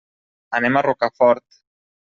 Anem a Rocafort.